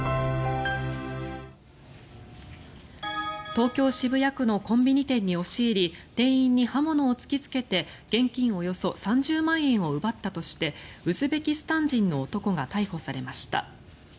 東京・渋谷区のコンビニ店に押し入り店員に刃物を突きつけて現金およそ３０万円を奪ったとしてウズベキスタン人の男が逮捕されました。